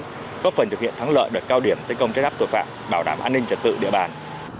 góp phần thực hiện thắng lợi đợt cao điểm tấn công chất áp tội phạm bảo đảm an ninh trật tự địa bàn